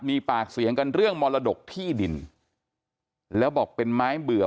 มีปากเสียงกันเรื่องมรดกที่ดินแล้วบอกเป็นไม้เบื่อ